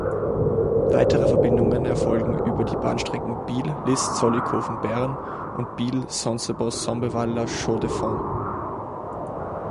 Weitere Verbindungen erfolgen über die Bahnstrecken Biel–Lyss–Zollikofen–Bern und Biel–Sonceboz-Sombeval–La Chaux-de-Fonds.